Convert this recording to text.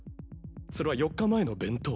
それは４日前の弁当。